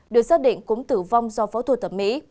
được xác định cũng tử vong do phẫu thuật mỹ